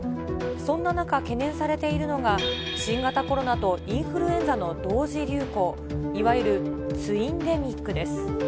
そんな中、懸念されているのが新型コロナとインフルエンザの同時流行、いわゆるツインデミックです。